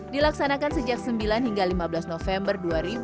dilaksanakan sejak sembilan hingga lima belas november dua ribu dua puluh